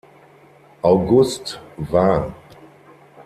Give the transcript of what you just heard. August war.